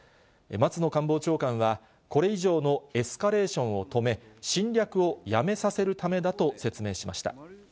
松野官房長官は、これ以上のエスカレーションを止め、侵略をやめさせるためだと説明しました。